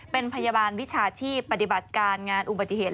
เป็นพยาบาลวิชาชีพปฏิบัติการงานอุบัติเหตุ